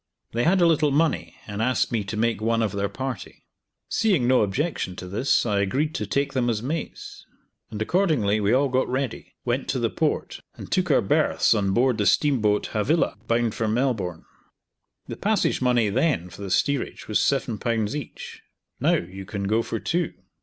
They had a little money, and asked me to make one of their party. Seeing no objection to this, I agreed to take them as mates, and accordingly we all got ready, went to the Port, and took our berths on board the steamboat "Havilah," bound for Melbourne. The passage money then for the steerage was seven pounds each; now you can go for two.